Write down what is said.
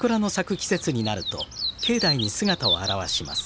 季節になると境内に姿を現します。